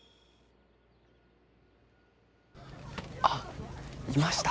あっ、いました。